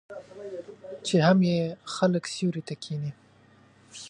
چې هم یې خلک سیوري ته کښیني.